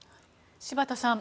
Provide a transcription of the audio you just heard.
柴田さん